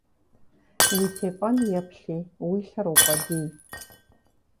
Уи тепӀэн йэплъи, уи лъэр укъуэдий.